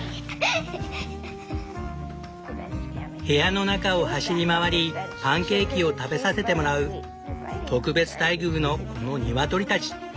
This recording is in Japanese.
部屋の中を走り回りパンケーキを食べさせてもらう特別待遇のこのニワトリたち。